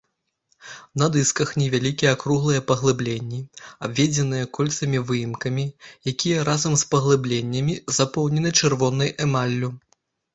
На дысках невялікія круглыя паглыбленні, абведзеныя кольцамі-выемкамі, якія разам з паглыбленнямі запоўнены чырвонай эмаллю.